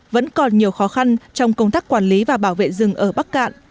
vẫn còn nhiều khó khăn trong công tác quản lý và bảo vệ rừng ở bắc cạn